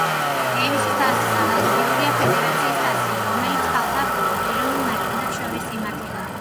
დეივისის თასის ანალოგიურია ფედერაციის თასი, რომელიც ქალთა ეროვნულ ნაკრებებს შორის იმართება.